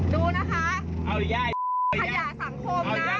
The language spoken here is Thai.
ดูนะคะขยะสังคมนะคนรวยเสียเปล่านะ